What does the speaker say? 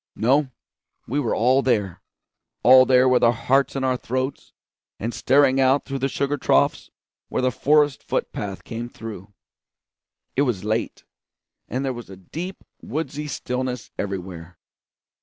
No, we were all there; all there with our hearts in our throats, and staring out toward the sugar troughs where the forest foot path came through. It was late, and there was a deep woodsy stillness everywhere.